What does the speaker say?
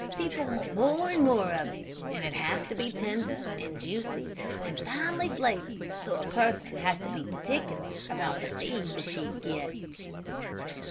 People want more and more of it. And it has to be tender, and juicy, and finely flavored, so a person has to be particular about the feed the sheep get."